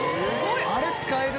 あれ使える？